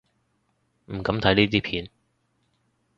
唔敢睇呢啲片